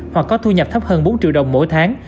hoặc có thu nhập thấp hơn bốn triệu đồng mỗi tháng